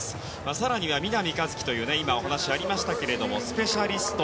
更には南一輝というお話がありましたがスペシャリスト。